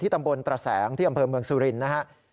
ตำบลตระแสงที่อำเภอเมืองสุรินทร์นะครับ